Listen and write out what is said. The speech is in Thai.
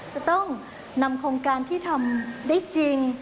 จะต้องนำโครงการที่ทำได้จริง